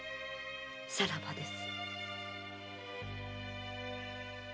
さらばです。